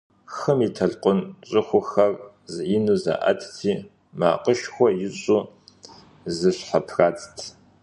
Хым и толъкъун щӀыхухэр ину заӀэтти макъышхуэ ищӀу зыщхьэпрадзт.